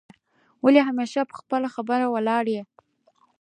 ولي همېشه پر خپله خبره ولاړ یې؟